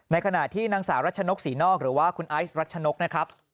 ขณะที่นางสาวรัชนกศรีนอกหรือว่าคุณไอซ์รัชนกนะครับ